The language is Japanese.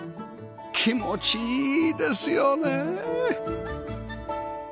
気持ちいいですよねえ！